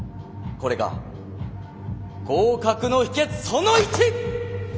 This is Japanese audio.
これが合格の秘けつその１！